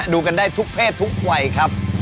ดูกันได้ทุกเพศทุกวัยครับ